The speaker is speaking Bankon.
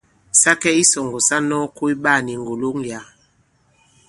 Sa kɛ i isɔ̀ŋgɔ̀ sa nɔ̄ɔ koy ɓaā ni ŋgòloŋ yǎ.